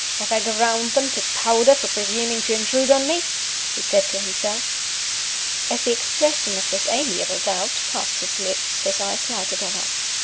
Have I ground them to powder for presuming to intrude on me?" he said to himself. As the expression of this amiable doubt passed his lips his eyes lighted on us.